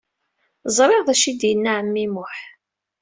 Ẓriɣ d acu i d-yenna ɛemmi Muḥ.